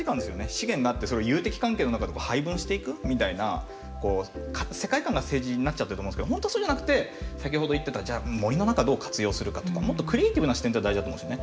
資源があってそれを友敵関係の中で配分していくみたいな世界観が政治になっちゃってると思うんですけど本当はそうじゃなくて先ほど言ってたじゃあ森の中どう活用するかとかもっとクリエイティブな視点っていうのが大事だと思うんですよね。